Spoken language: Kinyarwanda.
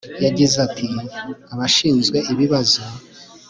yagize ati Abashinzwe ibibazo